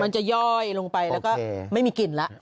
จะย่อยลงไปแล้วก็ไม่มีกลิ่นแล้ว